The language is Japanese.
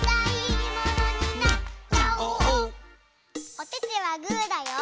おててはグーだよ。